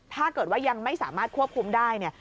ถ้าเกิดว่ายังไม่สามารถควบคุมได้เนี่ย